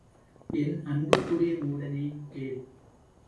என் அன்புக்குரிய மூடனே, கேள்.